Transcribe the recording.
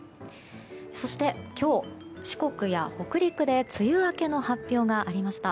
そして今日、四国や北陸で梅雨明けの発表がありました。